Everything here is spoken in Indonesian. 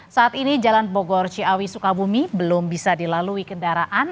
saat ini jalan bogor ciawi sukabumi belum bisa dilalui kendaraan